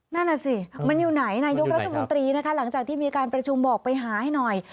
นั่นน่ะสิมันอยู่ไหนนายกรัฐมนตรีนะคะหลังจากที่มีการประชุมบอกไปหาให้หน่อย